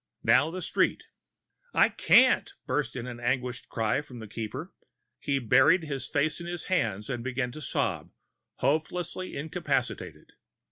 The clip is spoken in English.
"Now the street!" "I can't!" burst in an anguished cry from the Keeper. He buried his face in his hands and began to sob, hopelessly incapacitated.